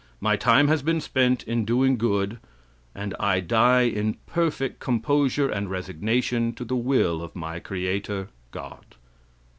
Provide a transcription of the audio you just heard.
My time has been spent in doing good, and I die in perfect composure and resignation to the will of my Creator, God."